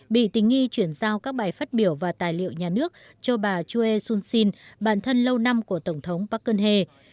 bị tình nghi chuyển giao các bài phát biểu và tài liệu nhà nước cho bà choi soon sin bản thân lâu năm của tổng thống park geun hye